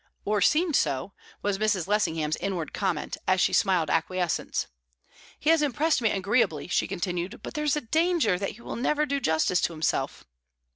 "Or seemed so," was Mrs. Lessingham's inward comment, as she smiled acquiescence. "He has impressed me agreeably," she continued, "but there's a danger that he will never do justice to himself."